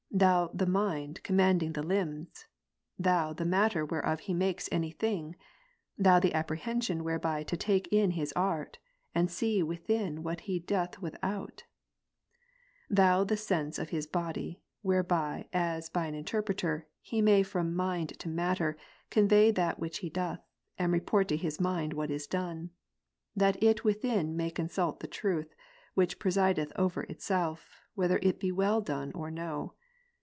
Thou the mind commanding the limbs. Thou the matter whereof he makes anything; Thou the apprehension whereby to take in his art, and see within what he doth without ; Thou the sense of his body, whereby as by an interpreter, he may from mind to matter, convey that which he doth, and report to his mind what is done ; that it within may consult the truth, which presideth over itself, whether it be well done or no.